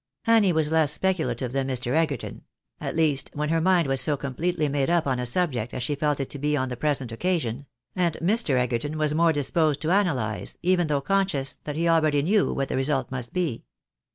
Annie was less speculative than Mr. Egerton ; at least, when her mind was so completely made up on a subject as she felt it to be on the present occasion ; and Mr. Egerton was more disposed to analyse, even though conscious that he already knew what the result must be.